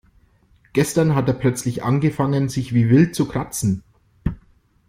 Gestern hat er plötzlich angefangen, sich wie wild zu kratzen.